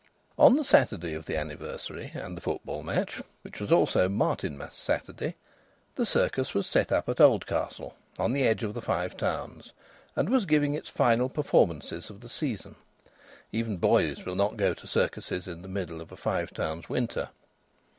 On the Saturday of the anniversary and the football match (which was also Martinmas Saturday) the circus was set up at Oldcastle, on the edge of the Five Towns, and was giving its final performances of the season. Even boys will not go to circuses in the middle of a Five Towns' winter.